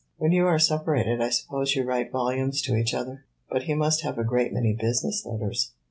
When you are separated I suppose you write volumes to each other. But he must have a great many business letters."